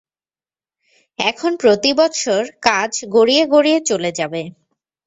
এখন প্রতি বৎসর কাজ গড়িয়ে গড়িয়ে চলে যাবে।